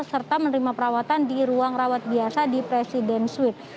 serta menerima perawatan di ruang rawat biasa di presiden suite